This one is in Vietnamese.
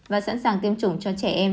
và sẵn sàng tiêm chủng cho trẻ em